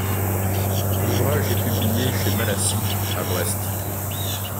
L'ouvrage est publié chez Malassis à Brest.